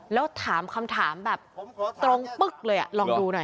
แล้วถามคำถามแบบตรงปึ๊กเลยอ่ะลองดูหน่อย